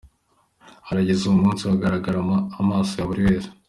Aho rugeze uyu munsi ho hagaragarira amaso ya buri wese.